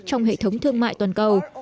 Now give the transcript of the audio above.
trong hệ thống thương mại toàn cầu